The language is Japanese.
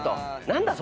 何だ？